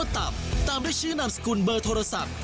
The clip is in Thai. ตามด้วยชื่อนามสกุลเบอร์โทรศัพท์